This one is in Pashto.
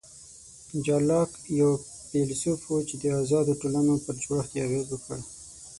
جان لاک یو فیلسوف و چې د آزادو ټولنو پر جوړښت یې اغېز وکړ.